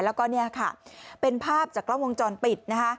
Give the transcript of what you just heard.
แล้วก็เนี่ยค่ะเป็นภาพจากกล้องวงจรปิดนะคะ